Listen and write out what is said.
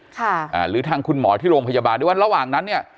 อ่าหรือทางคุณหมอที่โรงพยาบาลด้วยว่าระหว่างนั้นเนี่ย